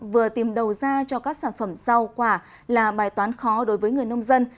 vừa tìm đầu ra cho các sản phẩm rau quả là bài toán khó đối với người nông dân